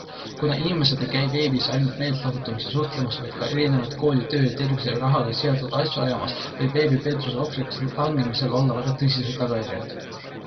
Kuna inimesed ei käi veebis ainult meelt lahutamas ja suhtlemas, vaid ka erinevaid kooli, töö, tervise ja rahaga seotud asju ajamas, võib veebipettuse ohvriks langemisel olla väga tõsised tagajärjed.